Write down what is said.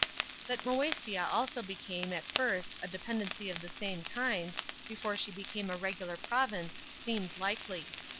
That Moesia also became, at first, a dependency of the same kind, before she became a regular province, seems likely.